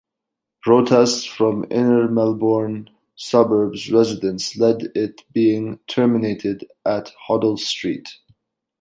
Protests from inner Melbourne suburbs residents led it being terminated at Hoddle Street.